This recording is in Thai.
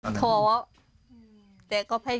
กินข้าวว่ายินค้าวแล้วยัง